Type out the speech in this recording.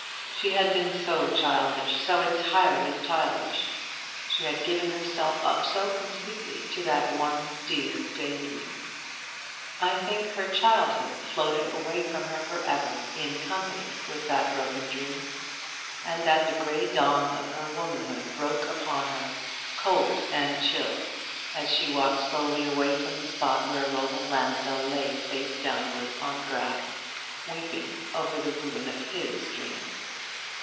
She had been so childish, so entirely childish, and had given herself up so completely to that one dear day dream. I think her childhood floated away from her for ever in company with that broken dream; and that the grey dawn of her womanhood broke upon her, cold and chill, as she walked slowly away from the spot where Roland Lansdell lay face downwards on the grass, weeping over the ruin of his dream.